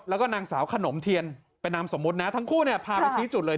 แล้วก็นางสาวขนมเทียนเป็นนามสมมุตินะทั้งคู่เนี่ยพาไปชี้จุดเลย